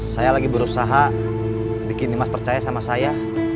saya lagi berusaha bikin dimas percaya sama saya